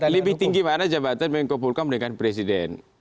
lebih tinggi mana jabatan mengkumpulkan pendidikan presiden